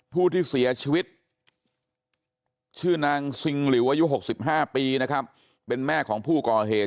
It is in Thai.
ผู้ที่เสียชีวิตชื่อนางซิงหลิวอายุ๖๕ปีนะครับเป็นแม่ของผู้ก่อเหตุ